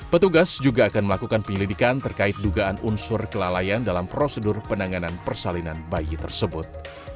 petugas juga akan melakukan penyelidikan terkait dugaan unsur kelalaian dalam prosedur penanganan persalinan bayi tersebut